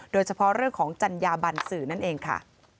โดยเฉพาะเรื่องของจัญญาบันสื่อนั่นเองค่ะ